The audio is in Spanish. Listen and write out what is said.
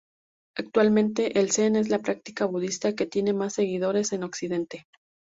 Actualmente, el zen es la práctica budista que tiene más seguidores en Occidente.